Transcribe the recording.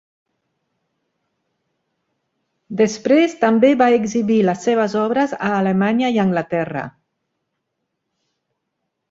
Després, també va exhibir les seves obres a Alemanya i Anglaterra.